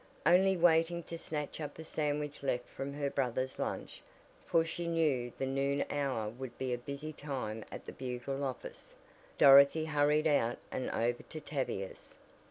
Only waiting to snatch up a sandwich left from her brothers' lunch, for she knew the noon hour would be a busy time at the Bugle office, Dorothy hurried out and over to Tavia's.